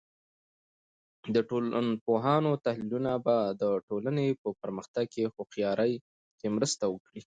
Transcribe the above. د ټولنپوهانو تحلیلونه به د ټولنې په پرمختګ کې هوښیارۍ کې مرسته وکړي.